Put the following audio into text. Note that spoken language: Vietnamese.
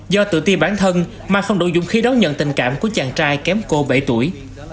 do tự ti bản thân mai không đủ dũng khí đón nhận tình cảm của chàng trai kém cô bảy tuổi